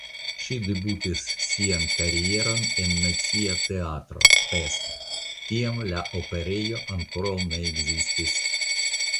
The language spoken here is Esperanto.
Ŝi debutis sian karieron en Nacia Teatro (Pest) (tiam la Operejo ankoraŭ ne ekzistis!).